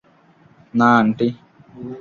না, আন্টি।